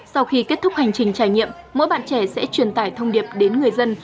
sau khi kết thúc hành trình trải nghiệm mỗi bạn trẻ sẽ truyền tải thông điệp đến người dân